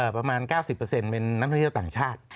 ประมาณ๙๐เป็นนักท่องเที่ยวต่างชาติ